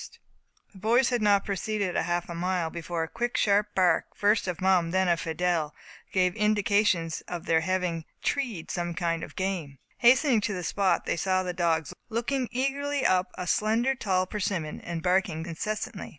The boys had not proceeded a half mile, before the quick sharp bark, first of Mum, then of Fidelle, gave indications of their having "treed" some kind of game. Hastening to the spot, they saw the dogs looking eagerly up a slender, tall persimmon, and barking incessantly.